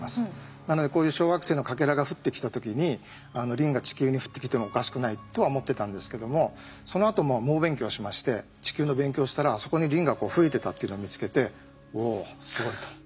なのでこういう小惑星のかけらが降ってきた時にリンが地球に降ってきてもおかしくないとは思ってたんですけどもそのあと猛勉強しまして地球の勉強をしたらそこにリンが増えてたっていうのを見つけておすごいと。